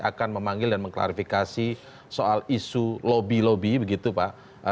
akan memanggil dan mengklarifikasi soal isu lobby lobby begitu pak